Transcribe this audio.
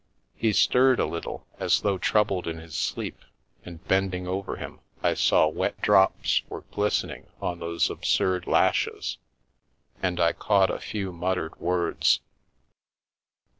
He stirred a little, as though troubled in his sleep, and bend ing over him, I saw wet drops were glistening on those absurd lashes, and I caught a few muttered words.